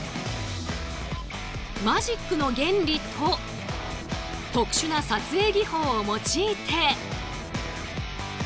マジックの原理と特殊な撮影技法を用いて。